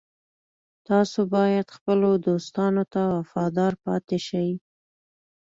تاسو باید خپلو دوستانو ته وفادار پاتې شئ